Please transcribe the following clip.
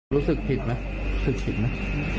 รู้สึกผิดมั้ย